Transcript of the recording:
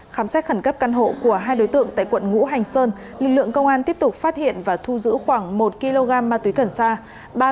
khám xét khẩn cấp căn hộ của hai đối tượng tại quận ngũ hành sơn lực lượng công an tiếp tục phát hiện và thu giữ khoảng một kg ma túy cần sa